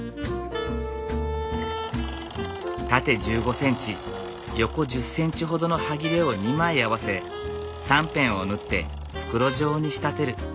縦１５センチ横１０センチほどのはぎれを２枚合わせ３辺を縫って袋状に仕立てる。